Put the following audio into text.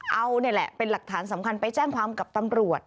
เอานี่แหละเป็นหลักฐานสำคัญไปแจ้งความกับตำรวจ